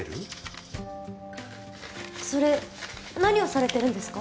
それ何をされてるんですか？